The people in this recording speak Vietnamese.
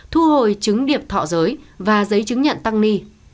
thu hồi chứng điệp thọ giới và giấy chứng nhận tăng ni